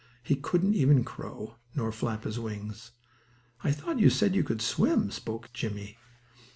He couldn't even crow, nor flap his wings. "I thought you said you could swim," spoke Jimmie.